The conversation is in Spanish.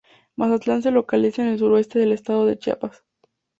Mazatán se localiza en el suroeste del estado de Chiapas.